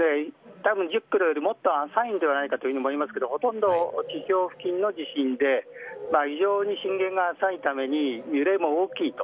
たぶん１０キロよりもっと浅いんじゃないかと思いますけどほとんど地表付近の地震で異常に震源が浅いために揺れも大きいと。